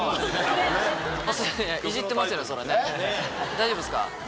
大丈夫っすか？